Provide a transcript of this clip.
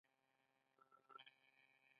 د خشونت د وسلې له لارې نه.